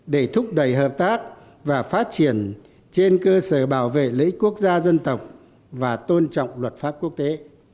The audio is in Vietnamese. để thúc đẩy hợp tác và phát triển trên cơ sở bảo vệ lợi ích quốc gia dân tộc và tôn trọng luật pháp quốc tế